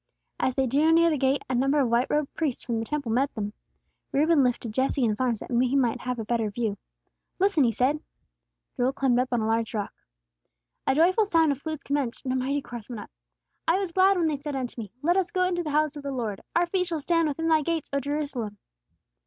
As they drew near the gates, a number of white robed priests from the Temple met them. Reuben lifted Jesse in his arms that he might have a better view. "Listen," he said. Joel climbed up on a large rock. A joyful sound of flutes commenced, and a mighty chorus went up: "I was glad when they said unto me, let us go into the house of the Lord. Our feet shall stand within thy gates, O Jerusalem!"